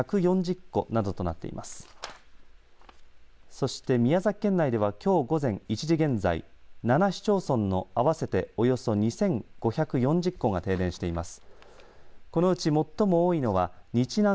そして、宮崎県内ではきょう午前１時現在７市町村の合わせておよそ２５４０戸が停電しています。